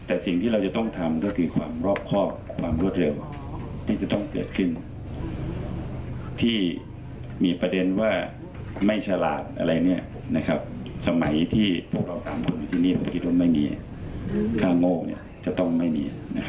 อันนี้ก็เธอมีสัญญาณอะไรอย่างนี้